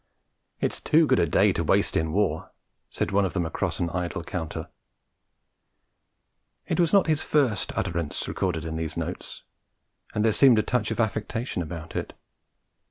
'It's too good a day to waste in war,' said one of them across an idle counter. It was not his first utterance recorded in these notes; and there seemed a touch of affectation about it.